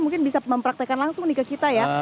mungkin bisa mempraktekan langsung nih ke kita ya